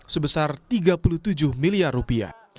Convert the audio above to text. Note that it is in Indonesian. sebesar tiga puluh tujuh miliar rupiah